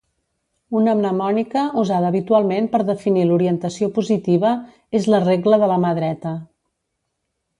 Una mnemònica usada habitualment per definir l'orientació positiva és la "regla de la mà dreta.